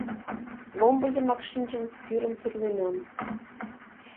Ломбо йымак шинчын, тӱрым тӱрленам.